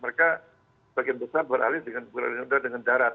mereka bagian besar beralih dengan udara dengan darat